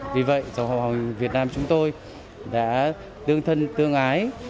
vì vậy dòng họ hoàng việt nam chúng tôi đã tương thân tương ái